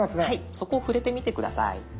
そこ触れてみて下さい。